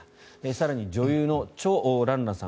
更に女優のチョ・ランランさん